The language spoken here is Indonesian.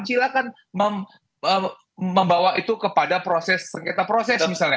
silahkan membawa itu kepada proses sengketa proses misalnya